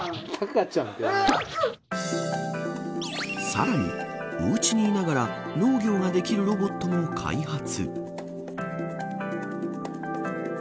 さらにおうちにいながら農業ができるロボットも開発。